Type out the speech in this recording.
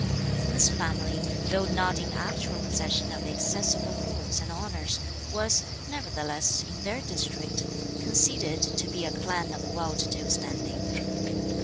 This family, though not in actual possession of excessive affluence and honours, was, nevertheless, in their district, conceded to be a clan of well to do standing.